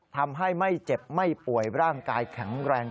ทำให้ไม่เจ็บไม่ป่วยร่างกายแข็งแรง